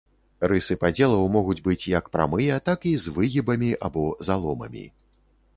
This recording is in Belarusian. Рысы падзелаў могуць быць як прамыя, так з выгібамі або заломамі.